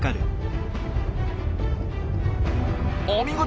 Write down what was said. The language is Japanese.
お見事！